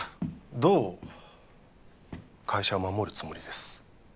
どう会社を守るつもりです？